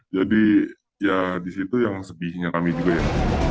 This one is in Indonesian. jadi ya disitu yang sepihnya kami juga ya